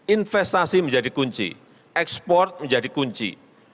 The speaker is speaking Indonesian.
investasi menjadi kunci ekspor menjadi kunci